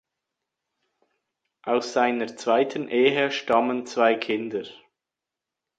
Aus seiner zweiten Ehe stammen zwei Kinder.